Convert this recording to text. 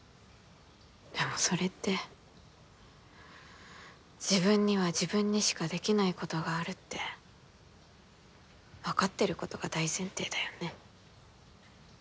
でもそれって自分には自分にしかできないことがあるって分かってることが大前提だよね。